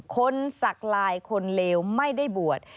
สักลายคนเลวไม่ได้บวช